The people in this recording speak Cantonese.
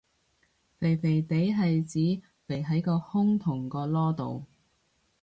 肥肥哋係指肥喺個胸同個籮度